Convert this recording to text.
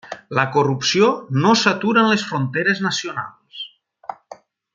La corrupció no s'atura en les fronteres nacionals.